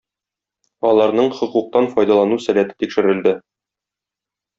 Аларның хокуктан файдалану сәләте тикшерелде.